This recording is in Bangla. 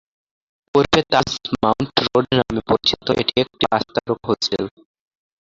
পূর্বে তাজ মাউন্ট রোড নামে পরিচিত, এটি একটি পাঁচ তারকা হোটেল।